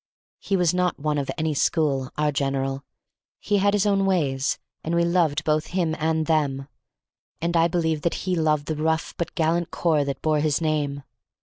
He was not one of any school, our General; he had his own ways, and we loved both him and them; and I believe that he loved the rough but gallant corps that bore his name.